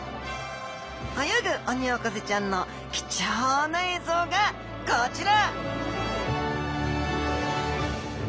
泳ぐオニオコゼちゃんの貴重な映像がこちら！